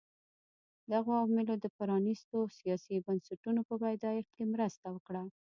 دغو عواملو د پرانیستو سیاسي بنسټونو په پیدایښت کې مرسته وکړه.